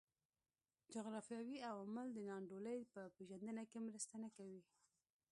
جغرافیوي عوامل د نا انډولۍ په پېژندنه کې مرسته نه کوي.